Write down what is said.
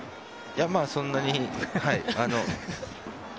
そんなに。